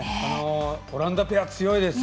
オランダペア強いです。